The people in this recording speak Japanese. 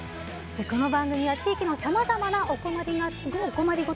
この番組は地域のさまざまなお困りごとや課題